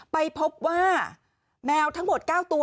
ไปพบว่าแมวทั้งหมด๙ตัว